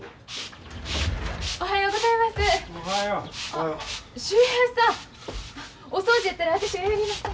おはようございます。